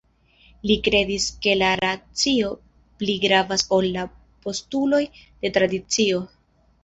Li kredis ke la racio pli gravas ol la postuloj de tradicio.